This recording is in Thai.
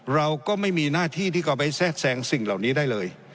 เราก็ไม่มีหน้าที่ที่เขาไปแทรกแทรงสิ่งเหล่านี้ได้เลย